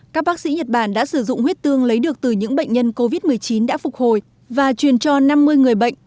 các bác sĩ nhật bản đã sử dụng huyết tương lấy được từ những bệnh nhân covid một mươi chín đã phục hồi và truyền cho năm mươi người bệnh